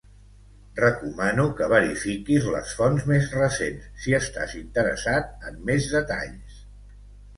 Recomano que verifiquis les fonts més recents si estàs interessat en més detalls